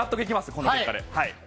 この結果で。